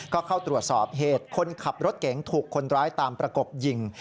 ก็เข้าตรวจสอบเหตุคนขับรถเก๋งถูกคนร้ายตามประกบยิง